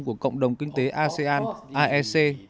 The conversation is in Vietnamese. của cộng đồng kinh tế asean aec